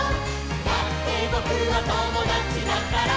「だってぼくはともだちだから」